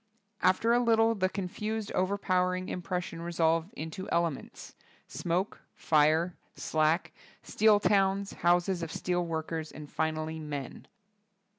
After a little the confused, overpowering im pression resolve^ into elements: smoke, fire, slack, steel towns, houses of steel workers, and finally men.